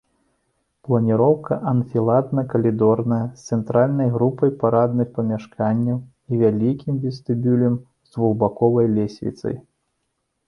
Планіроўка анфіладна-калідорная з цэнтральнай групай парадных памяшканняў і вялікім вестыбюлем з двухбаковай лесвіцай.